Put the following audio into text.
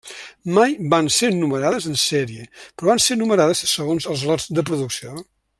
Mai van ser numerades en sèrie, però van ser numerades segons els lots de producció.